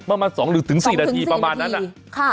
ประมาณ๒หรือถึง๔นาทีประมาณนั้นอะ